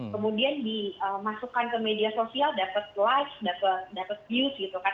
kemudian dimasukkan ke media sosial dapat live dapat muse gitu kan